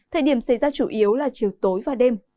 thời điểm xảy ra chủ yếu là chiều tối và đêm